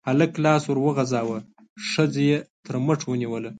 هلک لاس ور وغزاوه، ښځه يې تر مټ ونيوله.